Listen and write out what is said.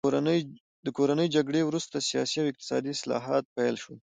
د کورنۍ جګړې وروسته سیاسي او اقتصادي اصلاحات پیل شول.